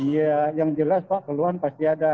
iya yang jelas pak keluhan pasti ada